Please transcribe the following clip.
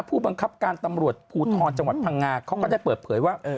ผู้บังคับการตำรวจภูทรจังหวัดพังงาเขาก็ได้เปิดเผยว่า